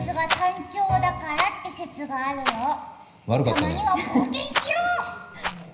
たまには冒険しよう！